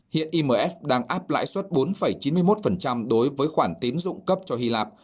hiện hy lạp đang áp lãi suất bốn chín mươi một đối với khoản tiến dụng cấp cho hy lạp